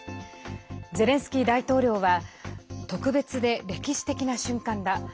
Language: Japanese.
ゼレンスキー大統領は特別で歴史的な瞬間だ。